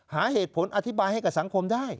หาเหตุผลอธิบายให้กับสังคมได้